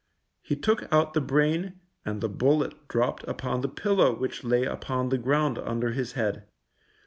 He took out the brain and the bullet dropped upon the pillow which lay upon the ground under his head.